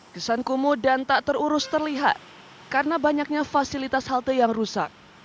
kesan kumuh dan tak terurus terlihat karena banyaknya fasilitas halte yang rusak